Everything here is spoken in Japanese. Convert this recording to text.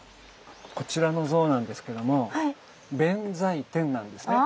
こちらの像なんですけども弁財天なんですね。